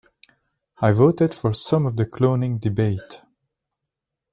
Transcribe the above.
I voted for some of the cloning debate.